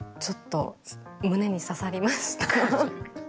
ちょっと胸に刺さりました。